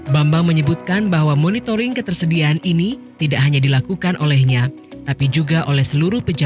bambang menyebutkan bahwa monitoring ketersediaan ini tidak hanya dilakukan olehnya tapi juga oleh seluruh pejabat